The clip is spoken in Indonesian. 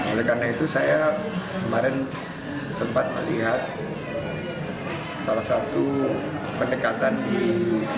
oleh karena itu saya kemarin sempat melihat salah satu pendekatan di